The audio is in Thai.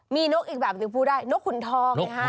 มีนกอีกแบบหนึ่งพูดได้นกขุนทองไงฮะ